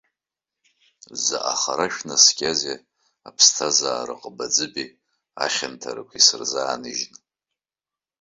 Заҟа хара шәнаскьазеи, аԥсҭазара аҟыбаӡыбеи ахьанҭарақәеи сырзааныжьны.